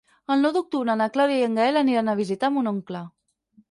El nou d'octubre na Clàudia i en Gaël aniran a visitar mon oncle.